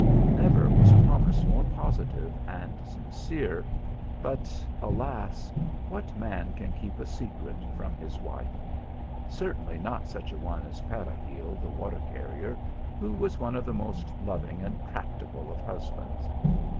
Never was promise more positive and sincere ; but alas ! what man can keep a secret from his wife ? Certainly not such a one as Peregil the water car 174 THE ALHAMBRA. rier, who was one of the most loving and tractable of husbands.